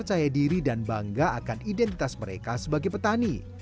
percaya diri dan bangga akan identitas mereka sebagai petani